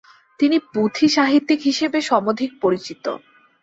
তিনি পুথিঁ সাহিত্যিক হিসেবে সমধিক পরিচিত।